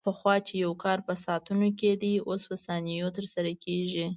پخوا چې یو کار په ساعتونو کې کېده، اوس په ثانیو کې ترسره کېږي.